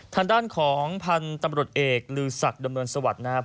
ทางด้านของพันธุ์ตำรวจเอกลือศักดำเนินสวัสดิ์นะครับ